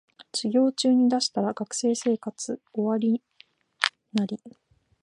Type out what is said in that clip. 授業中に出したら学生生活終わるナリ